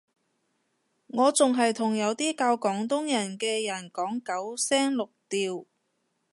我仲係同有啲教廣東話嘅人講九聲六調